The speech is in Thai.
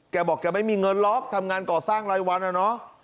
แกบอกจะไม่มีเงินล็อกทำงานก่อสร้างรายวัน